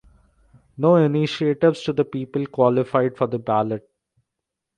No initiatives to the people qualified for the ballot.